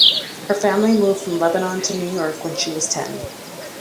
Her family moved from Lebanon to New York when she was ten.